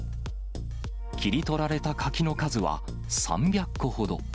切り取られた柿の数は、３００個ほど。